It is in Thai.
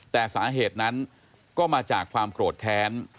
แต่สาเหตุนั้นก็มาจากความโกรธแค้น